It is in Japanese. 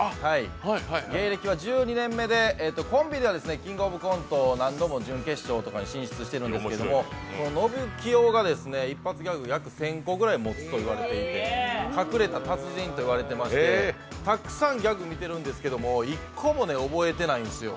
芸歴は１２年目で、コンビでは何度も進出しているんですけど、のぶきよが一発ギャグを約１０００個ぐらい持つと言われていて隠れた達人と言われていましてたくさんギャグ、見てるんですけど１個も覚えてないんですよ。